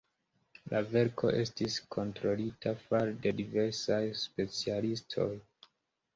La verko estis kontrolita fare de diversaj specialistoj.